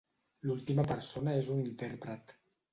L'última persona és un intèrpret.